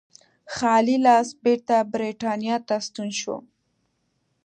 خالي لاس بېرته برېټانیا ته ستون شو.